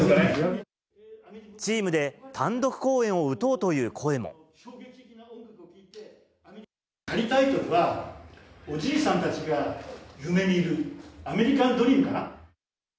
チームで単独公演を打とうと仮タイトルは、おじいさんたちが夢見るアメリカンドリームかな。